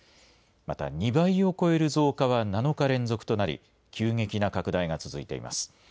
また、２倍を超える増加は７日連続となり、急激な拡大が続いています。